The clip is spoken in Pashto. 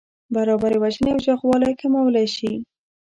برابري وژنې او چاغوالی کمولی شي.